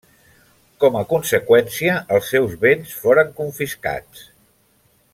Com a conseqüència, els seus béns foren confiscats.